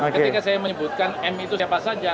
ketika saya menyebutkan m itu siapa saja